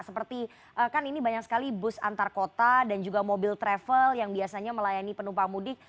seperti kan ini banyak sekali bus antar kota dan juga mobil travel yang biasanya melayani penumpang mudik